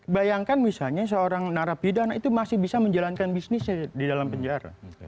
bayangkan misalnya seorang narapidana itu masih bisa menjalankan bisnisnya di dalam penjara